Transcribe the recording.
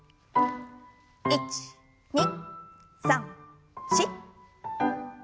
１２３４。